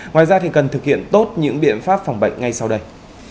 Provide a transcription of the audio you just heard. ngoài ra cần thực hiện tốt những biện pháp phòng bệnh ngay sau đây